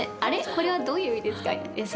これはどういう意味で使う？